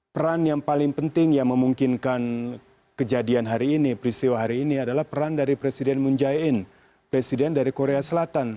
peran yang paling penting yang memungkinkan kejadian hari ini peristiwa hari ini adalah peran dari presiden moon jae in presiden dari korea selatan